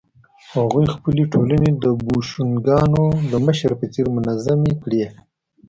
هغوی خپلې ټولنې د بوشونګانو د مشر په څېر منظمې کړې.